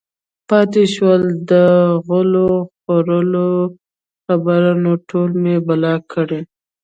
پاتې شوه د غول خورو خبره نو ټول مې بلاک کړل